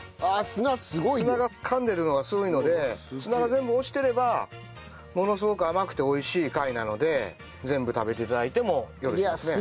砂が噛んでるのがすごいので砂が全部落ちてればものすごく甘くて美味しい貝なので全部食べて頂いてもよろしいですね。